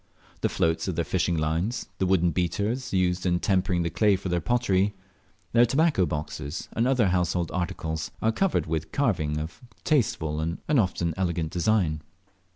The floats of their fishing lines, the wooden beaters used in tempering the clay for their pottery, their tobacco boxes, and other household articles, are covered with carving of tasteful and often elegant design.